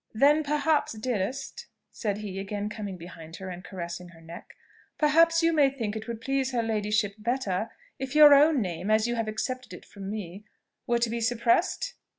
"Then, perhaps, dearest," said he, again coming behind her and caressing her neck, "perhaps you may think it would please her ladyship better if your own name, as you have accepted it from me, were to be suppressed?